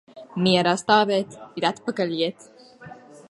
Mierā stāvēt ir atpakaļ iet.